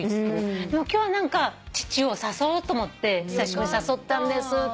「でも今日は何か父を誘おうと思って久しぶりに誘ったんです」って。